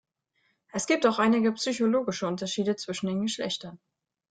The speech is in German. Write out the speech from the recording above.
Es gibt auch einige psychologische Unterschiede zwischen den Geschlechtern.